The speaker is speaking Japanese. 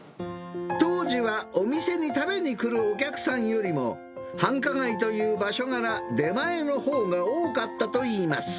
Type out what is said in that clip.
当時はお店に食べに来るお客さんよりも、繁華街という場所柄、出前のほうが多かったといいます。